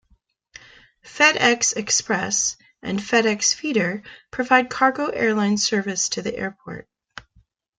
FedEx Express and FedEx Feeder provide cargo airline service to the airport.